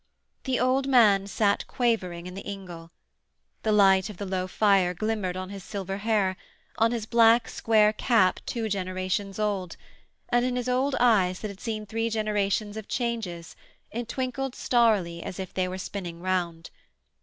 The old man sat quavering in the ingle. The light of the low fire glimmered on his silver hair, on his black square cap two generations old; and, in his old eyes that had seen three generations of changes, it twinkled starrily as if they were spinning round.